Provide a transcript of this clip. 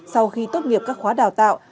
sau khi tốt nghiệp các khóa đào tạo